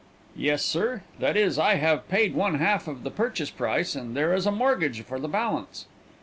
"Yes, sir. That is, I have paid one half the purchase price, and there is a mortgage for the balance."